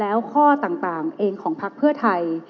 แล้วข้อต่างเองของพักเพื่อไทย